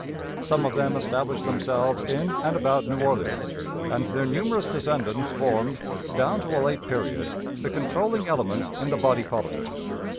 Some of them established themselves in and about New Orleans, and their numerous descendants formed, down to a late period, the controlling element in the body politic.